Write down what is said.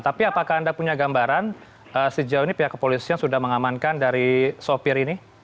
tapi apakah anda punya gambaran sejauh ini pihak kepolisian sudah mengamankan dari sopir ini